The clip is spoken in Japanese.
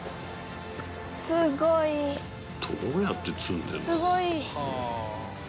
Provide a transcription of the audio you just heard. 「どうやって積んでるんだ？」